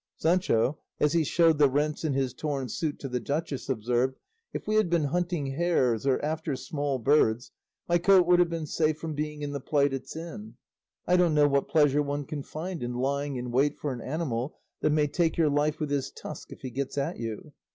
Sancho, as he showed the rents in his torn suit to the duchess, observed, "If we had been hunting hares, or after small birds, my coat would have been safe from being in the plight it's in; I don't know what pleasure one can find in lying in wait for an animal that may take your life with his tusk if he gets at you.